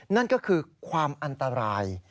นั่นก็คือความอันตราย